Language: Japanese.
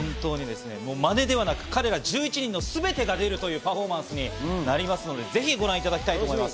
まねではなく彼ら１１人のすべてをかけるというパフォーマンスになりますのでぜひご覧いただきたいと思います。